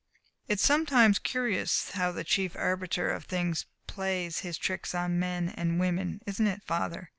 "It's sometimes curious how the Chief Arbiter of things plays His tricks on men and women, isn't it, Father?